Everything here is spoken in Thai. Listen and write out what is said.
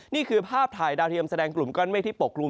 นี่คือภาพถ่ายดาวเทียมแสดงกลุ่มก้อนเมฆที่ปกลุ่ม